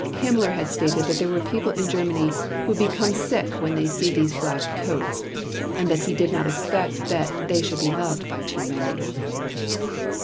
Himmler had stated that there were people in Germany "who become sick when they see these black coats" and that he did not expect that "they should be loved by too many."